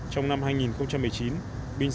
trong năm hai nghìn một mươi chín